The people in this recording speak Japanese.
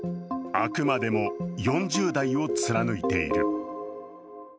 あくまでも４０代を貫いている。